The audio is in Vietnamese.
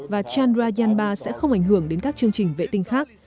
và chandrayaan ba sẽ không ảnh hưởng đến các chương trình vệ tinh khác